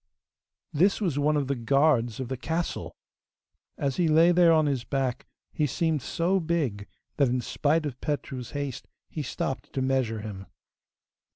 This was one of the guards of the castle! As he lay there on his back, he seemed so big that in spite of Petru's haste he stopped to measure him.